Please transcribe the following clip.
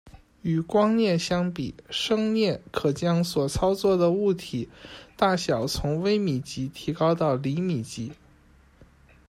与光镊相比，声镊可将所操纵的物体大小从微米级提高到厘米级。